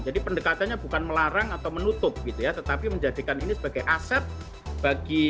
jadi pendekatannya bukan melarang atau menutup gitu ya tetapi menjadikan ini sebagai aset bagi